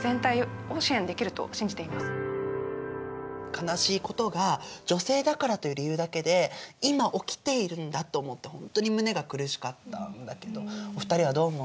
悲しいことが女性だからという理由だけで今起きているんだと思うと本当に胸が苦しかったんだけどお二人はどう思った？